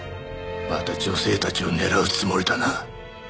また女性たちを狙うつもりだな？